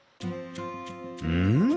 うん？